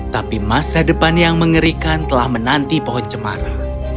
tapi masa depan yang mengerikan telah menanti pohon cemara